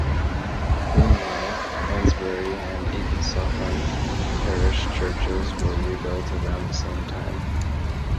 Meanwhile, Eynesbury and Eaton Socon parish churches were rebuilt around the same time.